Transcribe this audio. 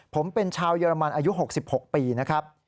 ผมเป็นชาวเยอรมันอายุ๖๖ปีนะครับ